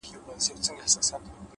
وخت د ارمانونو صداقت څرګندوي.!